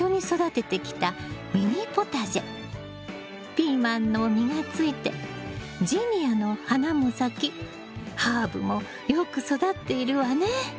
ピーマンの実がついてジニアの花も咲きハーブもよく育っているわね。